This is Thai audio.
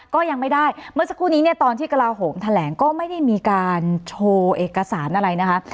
ก็ยังไม่ได้เมื่อสักครู่นี้เนี่ยตอนที่กระลาโหมแถลงก็ไม่ได้มีการโชว์เอกสารอะไรนะคะ